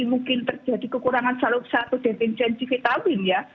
mungkin terjadi kekurangan salah satu defensi vitamin ya